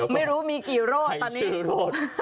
ไม่รู้มีกี่โรธตอนนี้ใครชื่อโรธ